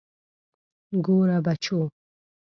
ګوره بچو.